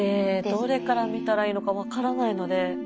どれから見たらいいのか分からないので。